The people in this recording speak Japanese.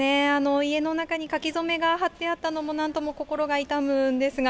家の中に書き初めが貼ってあったのも、なんとも心が痛むんですが。